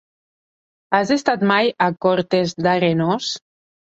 Has estat mai a Cortes d'Arenós?